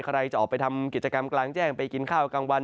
ใครจะออกไปทำกิจกรรมกลางแจ้งไปกินข้าวกลางวัน